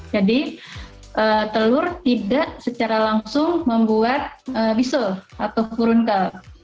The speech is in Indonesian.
jadi telur tidak secara langsung membuat bisul atau kurunkel